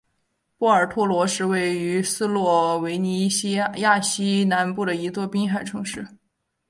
波尔托罗是位于斯洛维尼亚西南部的一座滨海城市。